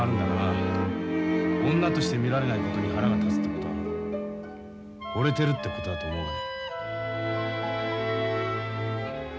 女として見られないことに腹が立つってことはほれてるってことだと思うが。